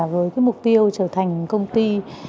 với mục tiêu trở thành công ty